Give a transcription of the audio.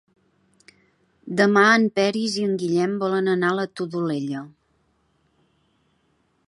Demà en Peris i en Guillem volen anar a la Todolella.